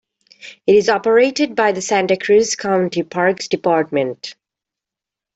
It is operated by the Santa Cruz County Parks Department.